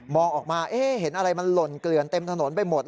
ออกมาเห็นอะไรมันหล่นเกลือนเต็มถนนไปหมด